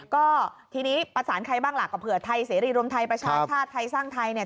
ก็ทีนี้ประสานใครบ้างล่ะก็เผื่อไทยเสรีรวมไทยประชาชาติไทยสร้างไทยเนี่ย